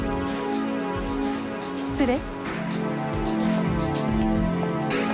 失礼。